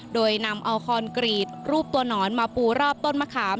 โดยนำเอาคอนกรีตรูปตัวหนอนมาปูรอบต้นมะขาม